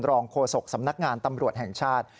โฆษกสำนักงานตำรวจแห่งชาติ